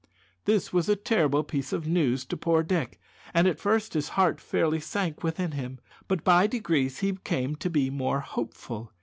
This was a terrible piece of news to poor Dick, and at first his heart fairly sank within him, but by degrees he came to be more hopeful.